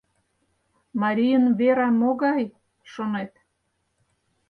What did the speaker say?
Марийын вера могай, шонет?